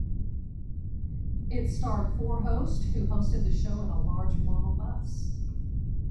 It starred four hosts, who hosted the show in a large model bus.